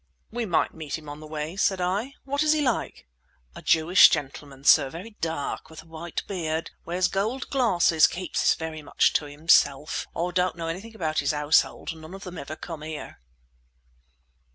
"We might meet him on the way," said I. "What is he like?" "A Jewish gentleman sir, very dark, with a white beard. Wears gold glasses. Keeps himself very much to himself. I don't know anything about his household; none of them ever come here."